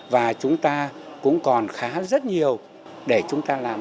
và chúng ta cũng còn khá rất nhiều để chúng ta làm